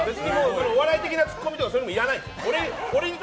お笑い的なツッコミとかいらないです。